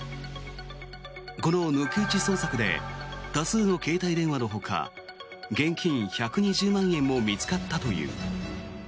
この抜き打ち捜索で多数の携帯電話のほか現金１２０万円も見つかったという。